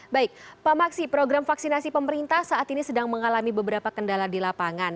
baik pak maksi program vaksinasi pemerintah saat ini sedang mengalami beberapa kendala di lapangan